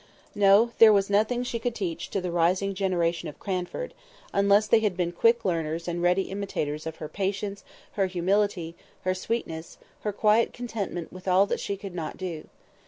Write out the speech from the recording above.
No! there was nothing she could teach to the rising generation of Cranford, unless they had been quick learners and ready imitators of her patience, her humility, her sweetness, her quiet contentment with all that she could not do.